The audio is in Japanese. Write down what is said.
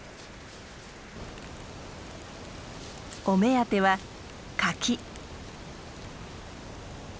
お目当ては柿。